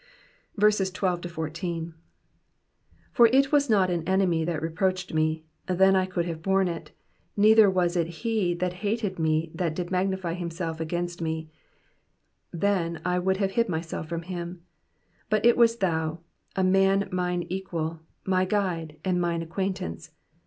12 For // was not an enemy that reproached me ; then I could have borne it : neither was it he that hated me that did magnify /««wr//* against me ; then I would have hid myself from him : 13 But it was thou, a man mine equal, my guide, and mine acquaintance.